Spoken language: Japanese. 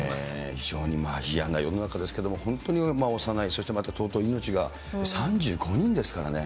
非常に嫌な世の中ですけれども、本当に幼い、そしてまた尊い命が、３５人ですからね。